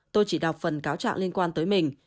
tôi chỉ đọc phần cáo trạng liên quan tới mình